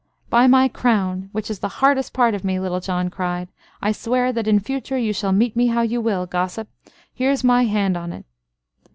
"By my crown, which is the hardest part of me," Little John cried, "I swear that in future you shall meet me how you will, gossip. Here's my hand on it."